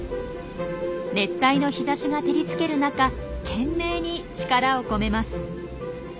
熱帯の日ざしが照りつける中懸命に力を込めます。